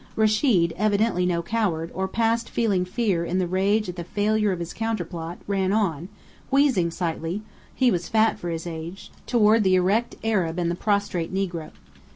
Rechid, evidently no coward, or past feeling fear in rage at the failure of his counterplot, ran on, wheezing slightly he was fat for his age toward the erect Arab and the prostrate negro.